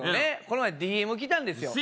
この前ＤＭ来たんですよ